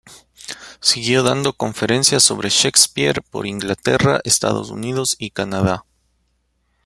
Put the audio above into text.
Siguió dando conferencias sobre Shakespeare por Inglaterra, Estados Unidos y Canadá.